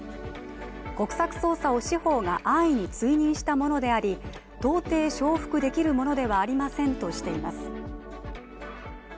国策捜査を司法が安易に追認したものであり到底承服できるものではありませんとしています。